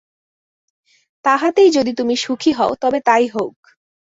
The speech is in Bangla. তাহাতেই যদি তুমি সুখী হও, তবে তাই হউক।